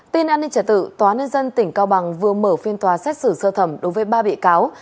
tin an ninh trả tự tòa nhân dân tỉnh cao bằng vừa mở phiên tòa xét xử sơ thẩm đối với ba bị cáo